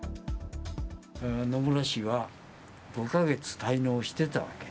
野村氏は５か月滞納してたわけ。